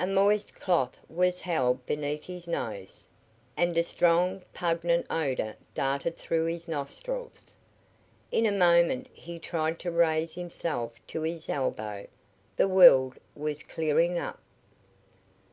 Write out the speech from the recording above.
A moist cloth was held beneath his nose, and a strong, pungent odor darted through his nostrils. In a moment he tried to raise himself to his elbow. The world was clearing up.